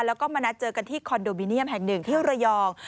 แล้วก็มานัดเจอกันที่คอนโดมิเนียมแห่งหนึ่งที่ระยอง